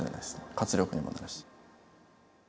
活力にもなるし。